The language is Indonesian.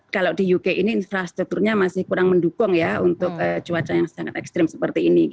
kalau di uk ini infrastrukturnya masih kurang mendukung ya untuk cuaca yang sangat ekstrim seperti ini